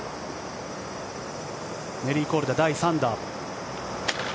ネリー・コルダ第３打。